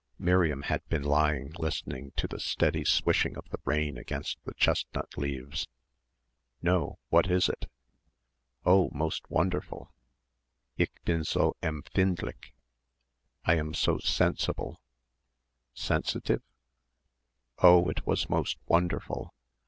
Miriam had been lying listening to the steady swishing of the rain against the chestnut leaves. "No; what is it?" "Oh, most wonderful. Ich bin so empfindlich. I am so sensible." "Sensitive?" "Oh, it was most wonderful.